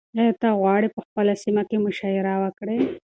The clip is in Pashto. ایا ته غواړې په خپله سیمه کې مشاعره وکړې؟